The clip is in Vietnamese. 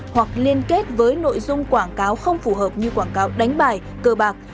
hoặc liên kết với nội dung quảng cáo không phù hợp như quảng cáo đánh bài cơ bạc